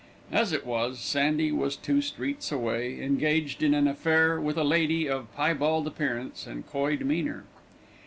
As it was, Sandy was two streets away, engaged in an affair with a lady of piebald appearance and coy demeanour.